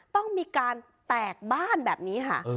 ต้องมีการแตกบ้านแบบนี้ค่ะ